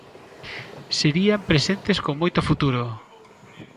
Serían presentes con moito futuro.